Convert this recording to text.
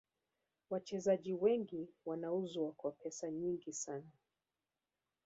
Wachezaji wengi wanauzwa kwa pesa nyingi sana